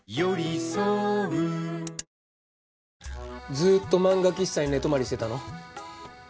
ずっと漫画喫茶に寝泊まりしてたの？